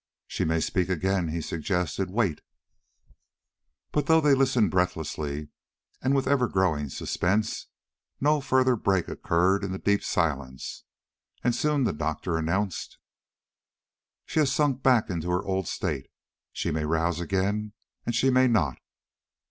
"She may speak again," he suggested. "Wait." But, though they listened breathlessly, and with ever growing suspense, no further break occurred in the deep silence, and soon the doctor announced: "She has sunk back into her old state; she may rouse again, and she may not."